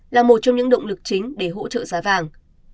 là một trong những động lực chính để hỗ trợ giá vàng